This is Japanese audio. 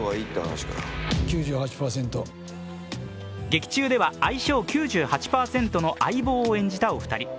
劇中では相性９８％の相棒を演じたお二人。